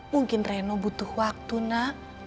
mungkin reno butuh waktu nak